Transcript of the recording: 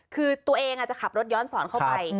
คือตัวเองจะขับรถย้อนสอนเข้าไป